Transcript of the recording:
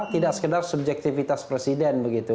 tidak sekedar subjektivitas presiden begitu